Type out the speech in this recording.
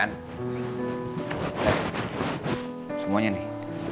nih semuanya nih